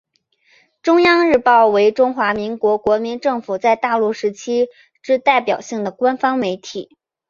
中央日报为中华民国国民政府在大陆时期之代表性的官方媒体。